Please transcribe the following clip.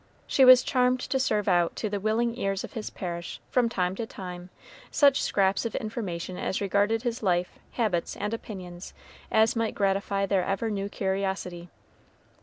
She was charmed to serve out to the willing ears of his parish from time to time such scraps of information as regarded his life, habits, and opinions as might gratify their ever new curiosity.